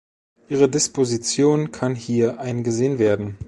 Ihre Disposition kann hier eingesehen werden.